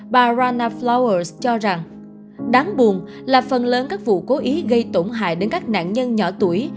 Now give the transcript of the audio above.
bà rana flowers cho rằng đáng buồn là phần lớn các vụ cố ý gây tổn hại đến các nạn nhân nhỏ tuổi